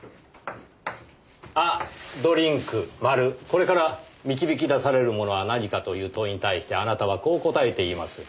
これから導き出されるものは何か？という問いに対してあなたはこう答えています。